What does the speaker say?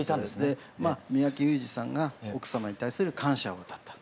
三宅裕司さんが奥様に対する感謝を歌った。